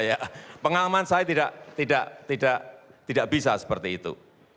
ya pengalaman saya tidak bisa seperti itu